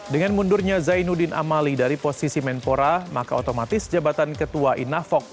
dengan mundurnya zainuddin amali dari posisi menpora maka otomatis jabatan ketua inafok